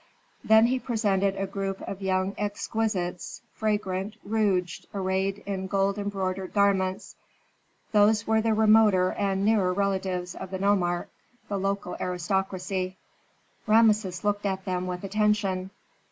Then he presented a group of young exquisites, fragrant, rouged, arrayed in gold embroidered garments. Those were the remoter and nearer relatives of the nomarch, the local aristocracy. Rameses looked at them with attention.